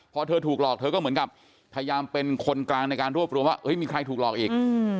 พอเธอถูกหลอกเธอก็เหมือนกับพยายามเป็นคนกลางในการรวบรวมว่ามีใครถูกหลอกอีก